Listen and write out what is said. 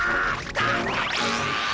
助けてー！